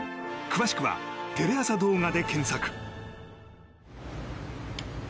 詳しくはテレ朝動画で検索。